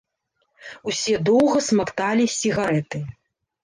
Усе доўга смакталі сігарэты.